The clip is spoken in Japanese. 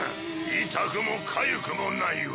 いたくもかゆくもないわ。